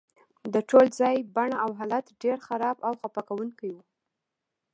د ټول ځای بڼه او حالت ډیر خراب او خفه کونکی و